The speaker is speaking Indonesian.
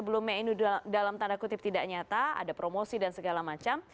sebelumnya ini dalam tanda kutip tidak nyata ada promosi dan segala macam